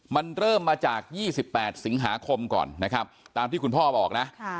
มันเริ่มมาจาก๒๘สิงหาคมก่อนนะครับตามที่คุณพ่อบอกนะ